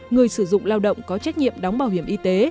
người sử dụng lao động có trách nhiệm đóng bảo hiểm y tế